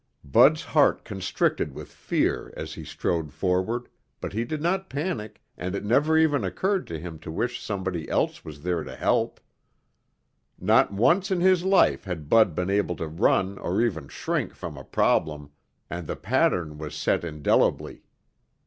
Bud's heart constricted with fear as he strode forward, but he did not panic and it never even occurred to him to wish somebody else was there to help. Not once in his life had Bud been able to run or even shrink from a problem, and the pattern was set indelibly.